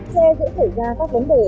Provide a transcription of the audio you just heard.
xe dễ khởi ra các vấn đề